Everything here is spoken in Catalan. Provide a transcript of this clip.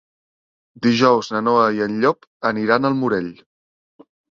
Dijous na Noa i en Llop aniran al Morell.